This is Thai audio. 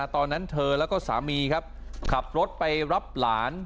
ตอนนั้นเธอแล้วก็สามีครับขับรถไปรับหลาน